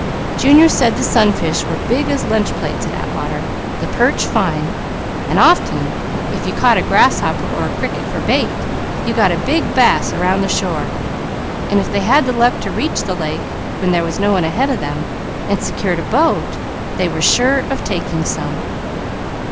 Junior said the sunfish were big as lunch plates at Atwater, the perch fine, and often if you caught a grasshopper or a cricket for bait, you got a big bass around the shore, and if they had the luck to reach the lake, when there was no one ahead of them, and secured a boat they were sure of taking some.